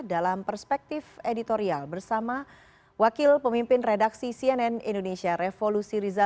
dalam perspektif editorial bersama wakil pemimpin redaksi cnn indonesia revolusi riza